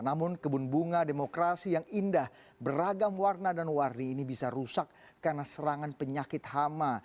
namun kebun bunga demokrasi yang indah beragam warna dan warni ini bisa rusak karena serangan penyakit hama